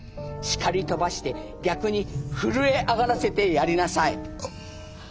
叱り飛ばして逆に震え上がらせてやりなさい。